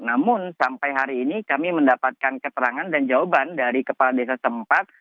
namun sampai hari ini kami mendapatkan keterangan dan jawaban dari kepala desa setempat